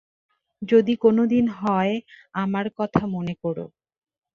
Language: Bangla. যদি কোনোদিন হয়, আমার কথা মনে করো।